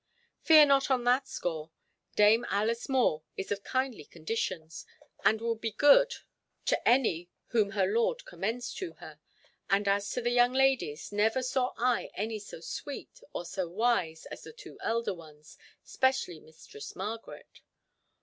"Fear not on that score. Dame Alice More is of kindly conditions, and will be good to any whom her lord commends to her; and as to the young ladies, never saw I any so sweet or so wise as the two elder ones, specially Mistress Margaret."